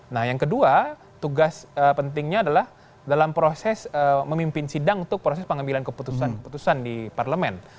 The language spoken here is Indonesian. nah yang kedua tugas pentingnya adalah dalam proses memimpin sidang untuk proses pengambilan keputusan keputusan di parlemen